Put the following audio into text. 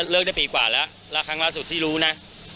ได้ปีกว่าแล้วแล้วครั้งล่าสุดที่รู้นะ